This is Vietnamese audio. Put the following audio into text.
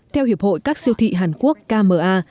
theo hiệp hội các siêu thị hàn quốc kma